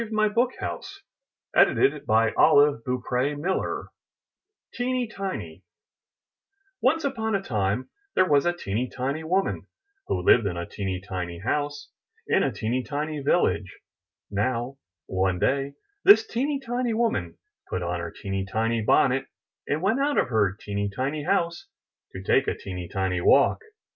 335 MY BOOK HOUSE TEENY TINY An English Folk Tale Once upon a time there was a teeny tiny woman who lived in a teeny tiny house in a teeny tiny village. Now, one day this teeny tiny woman put on her teeny tiny bonnet, and went out of her teeny tiny house to take a teeny tiny walk.